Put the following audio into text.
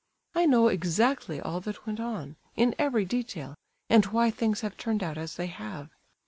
I know exactly all that went on, in every detail, and why things have turned out as they have.